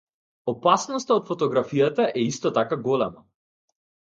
Опасноста од фотографијата е исто така голема.